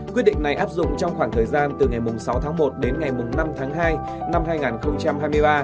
quyết định này áp dụng trong khoảng thời gian từ ngày sáu tháng một đến ngày năm tháng hai năm hai nghìn hai mươi ba